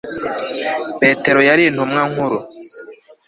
petero yari untumwa nkuru